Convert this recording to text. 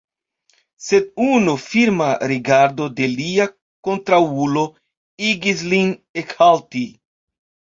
Sed unu firma rigardo de lia kontraŭulo igis lin ekhalti.